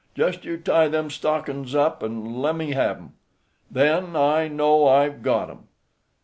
Just you tie them stockin's up an' lemme have 'em. Then I know I've got 'em."